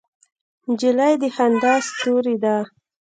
نجلۍ د خندا ستورې ده.